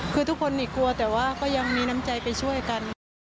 คือทุกคนนี่กลัวแต่ว่าก็ยังมีน้ำใจไปช่วยกัน